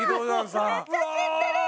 めっちゃ知ってる！